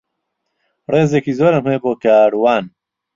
ڕێزێکی زۆرم هەیە بۆ کاروان.